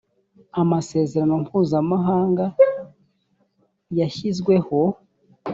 amasezerano mpuzamahanga yashyizweho